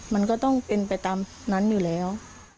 มันก็ต้องเป็นไปตามนั้นอยู่แล้ว